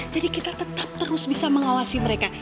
jadi kita tetap terus bisa mengawasi mereka